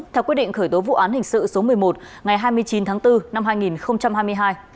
theo quyết định khởi tố vụ án hình sự số một mươi một ngày hai mươi chín tháng bốn năm hai nghìn hai mươi hai